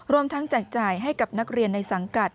รวมทั้งแจกจ่ายให้กับนักเรียนในสังกัด